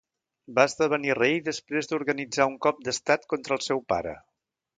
Va esdevenir rei després d'organitzar un cop d'estat contra el seu pare.